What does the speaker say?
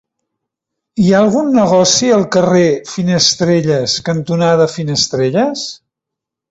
Hi ha algun negoci al carrer Finestrelles cantonada Finestrelles?